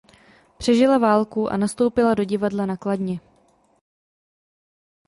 Přežila válku a nastoupila do divadla na Kladně.